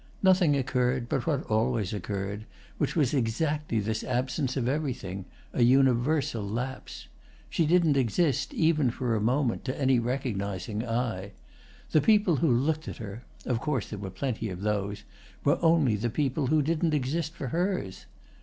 Nothing occurred but what always occurred, which was exactly this absence of everything—a universal lapse. She didn't exist, even for a second, to any recognising eye. The people who looked at her—of course there were plenty of those—were only the people who didn't exist for hers.